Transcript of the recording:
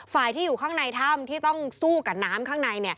ฝ่ายที่อยู่ข้างในถ้ำที่ต้องสู้กับน้ำข้างใน